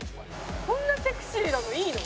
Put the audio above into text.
「こんなセクシーなのいいの？」